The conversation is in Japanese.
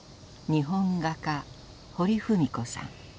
日本画家堀文子さん。